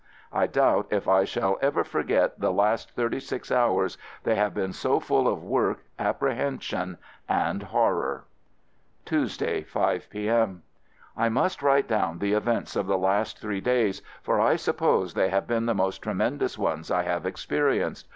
I doubt if I FIELD SERVICE 43 shall ever forget the last thirty six hours — they have been so full of work, appre hension, and horror. Tuesday, 5 p.m. I must write down the events of the last three days, for I suppose they have been the most tremendous ones I have experi enced.